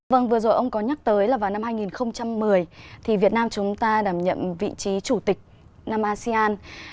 vâng vừa rồi ông có nhắc tới là vào năm hai nghìn một mươi thì việt nam chúng ta đảm nhậm vị trí chủ tịch năm asean